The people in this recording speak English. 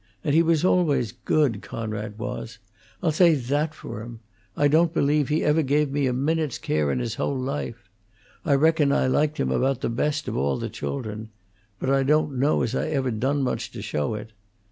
And he was always good, Coonrod was; I'll say that for him. I don't believe he ever give me a minute's care in his whole life. I reckon I liked him about the best of all the children; but I don't know as I ever done much to show it.